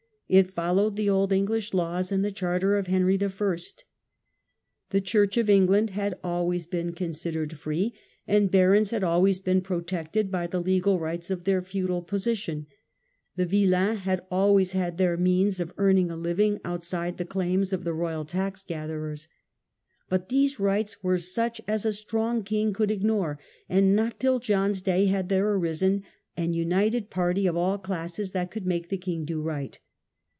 It followed the old English laws and the charter of Henry I. The Church of England had always been considered free; the barons had always been protected by the legal rights of their feudal position; the villeins had always had their means of earning a living outside the claims of the royal tax gatherers. But these rights were such as a strong king could ignore, and not till John's day had there arisen an united party of all classes that could make the king do right.